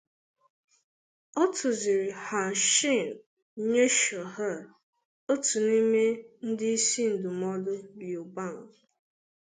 Ọ tụziri Han Xin nye Xiao He, otu n'ime ndị isi ndụmọdụ Liu Bang.